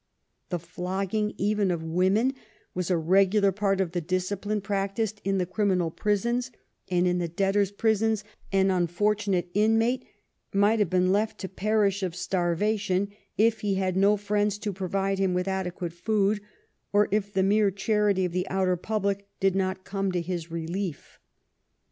The flogging even of women was a regular part of the discipline practised in the criminal prisons, and in the debtors' prisons an unfortunate inmate might have been left to perish of starvation if he had no friends to pro vide him with adequate food, or if the mere charity of the outer public did not come to his relief.